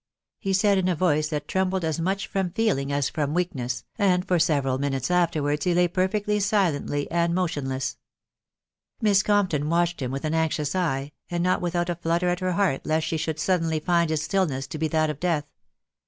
he said in a voice that trembled as much from feeling as from weakness, and for •several minutes afterwards he lay perfectly silently and mo tionless. Miss Compton watched him with an anxious eye, and not without a flutter at her heart lest she should suddenly find this stillness to be that of death.